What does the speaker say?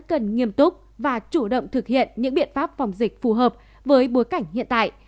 chúng ta cũng cần nghiêm túc và chủ động thực hiện những biện pháp phòng dịch phù hợp với bối cảnh hiện tại